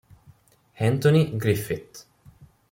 Anthony Griffith